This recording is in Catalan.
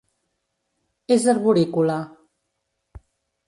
És arborícola.